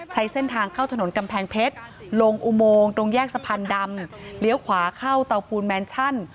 ใช้เส้นทางเข้าถนนกำแพงเพชรลงอุโมงตรงแยกสะพานดำเลี้ยวขวาเข้าเตาปูนแมนชั่น